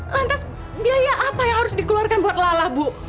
lantas biaya apa yang harus dikeluarkan buat lala bu